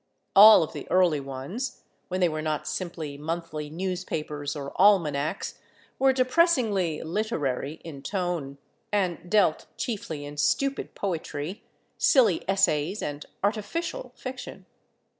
All of the early ones, when they were not simply monthly newspapers or almanacs, were depressingly "literary" in tone, and dealt chiefly in stupid poetry, silly essays and artificial fiction.